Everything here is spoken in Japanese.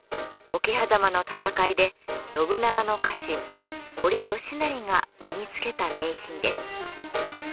桶狭間の戦いで信長の家臣森可成が身につけた名品です。